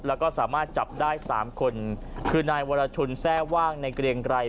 แล้วก็สามารถจับได้สามคนคือนายวรชุนแทร่ว่างในเกรียงไกร